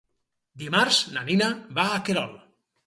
Dimarts na Nina va a Querol.